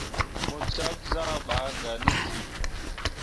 Mo cwakke zah ɓaa gah ne ki.